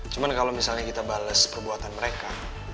cuman kalau misalnya kita balas perbuatan mereka